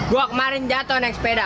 gue kemarin jatuh naik sepeda